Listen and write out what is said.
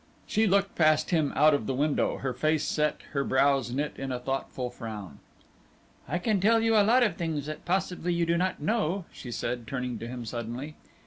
She looked past him out of the window, her face set, her brows knit in a thoughtful frown. "I can tell you a lot of things that possibly you do not know," she said, turning to him suddenly.